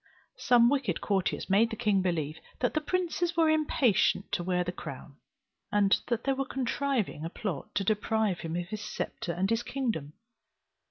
Some wicked courtiers made the king believe that the princes were impatient to wear the crown, and that they were contriving a plot to deprive him of his sceptre and his kingdom.